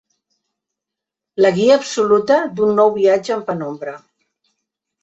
La guia absoluta d'un nou viatge en penombra.